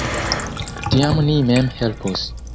Tiam ni mem helpos!